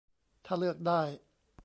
ถ้าเลือกได้